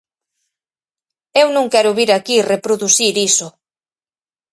Eu non quero vir aquí reproducir iso.